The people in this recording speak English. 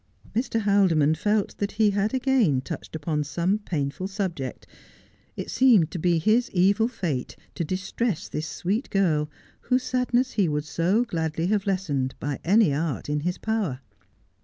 Mr. Haldimond felt that he had again touched upon some painful subject. It seemed to be his evil fate to distress this sweet girl, whose sadness he would so gladly have lessened by any art in his power.